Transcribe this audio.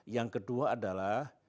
yang kedua adalah